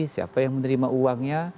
siapa yang menerima uangnya